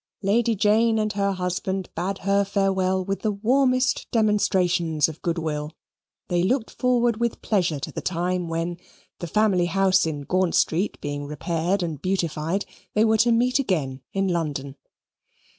Lady Jane and her husband bade her farewell with the warmest demonstrations of good will. They looked forward with pleasure to the time when, the family house in Gaunt Street being repaired and beautified, they were to meet again in London.